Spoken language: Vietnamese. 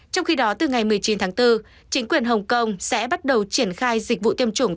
trong khi đó từ ngày một mươi chín tháng bốn chính quyền hồng kông sẽ bắt đầu triển khai dịch vụ tiêm chủng